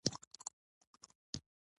خپل ښکار ستايلو .